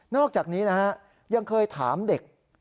อกจากนี้นะฮะยังเคยถามเด็ก